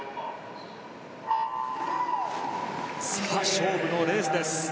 勝負のレースです。